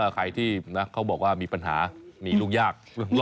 ใครที่เขาบอกว่ามีปัญหามีลูกยาก